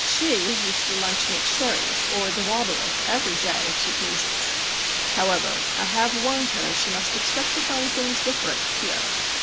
She is used to lunching at Sherry's or the Waldorf, every day, if she pleases. However, I have warned her she must expect to find things different here.